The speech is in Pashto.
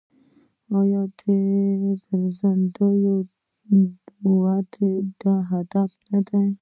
آیا د ګرځندوی وده د دوی هدف نه دی؟